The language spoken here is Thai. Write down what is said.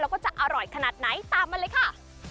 แล้วก็จะอร่อยขนาดไหนตามมาเลยค่ะ